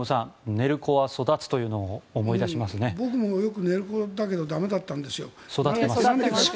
寝る子は育つというのを僕もよく寝る子だけどしっかり育っています。